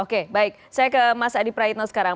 oke baik saya ke mas adi praitno sekarang